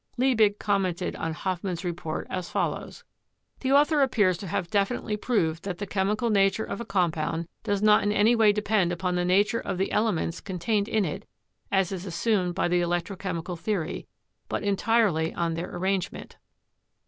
Liebig commented on Hofmann's report as follows : "The author appears to have definitely proved that the chemical nature of a compound does not in any way depend upon the nature of the elements contained in it as is assumed by the electro chemical theory, but entirely on their arrangement."